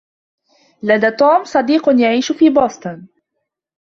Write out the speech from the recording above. لدى توم صديق يعيش في بوسطن.